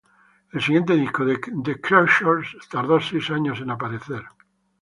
El siguiente disco de The Creatures tardó seis años en aparecer.